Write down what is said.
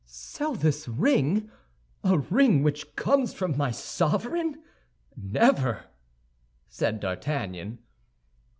"Sell this ring, a ring which comes from my sovereign? Never!" said D'Artagnan.